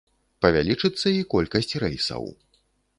Павялічыцца і колькасць рэйсаў.